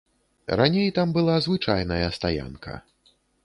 Раней там была звычайная стаянка.